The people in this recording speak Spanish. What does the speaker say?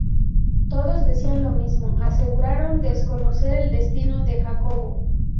Todos decían lo mismo, aseguraron desconocer el destino de Jacobo.